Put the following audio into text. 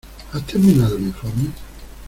¿Has terminado el informe?